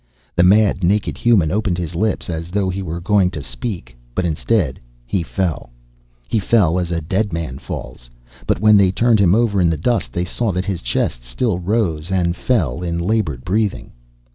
The mad, naked human opened his lips as though he were going to speak, but instead, he fell. He fell, as a dead man falls. But when they turned him over in the dust, they saw that his chest still rose and fell in labored breathing.